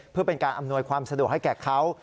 เพื่อเป็นการอำนวยความสะดวกให้แก่เขา